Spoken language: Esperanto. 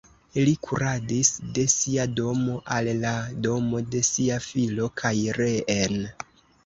Li kuradis de sia domo al la domo de sia filo kaj reen.